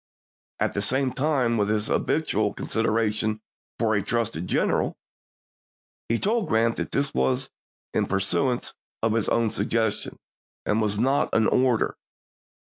At the same time, with his habitual consideration for a trusted general, he told Grant that this was in pur suance of his own suggestion, and was not an or der.